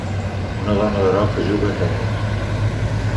una dona de groc que juga a tenis